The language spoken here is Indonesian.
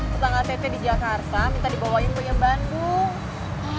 setengah teteh di jakarta minta dibawain punya bandung